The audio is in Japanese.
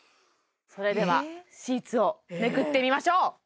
それではシーツをめくってみましょう！